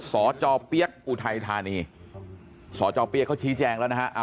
สจเปี๊ยกอุทัยธานีสจเปี๊ยกเขาชี้แจงแล้วนะฮะ